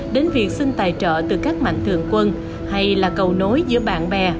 đến việc xin tài trợ từ các mạnh thường quân hay là cầu nối giữa bạn bè